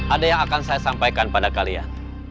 ada yang akan saya sampaikan pada kalian